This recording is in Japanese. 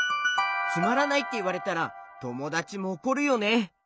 「つまらない」っていわれたらともだちもおこるよね。